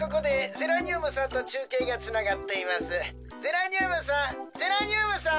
ゼラニュームさんゼラニュームさん！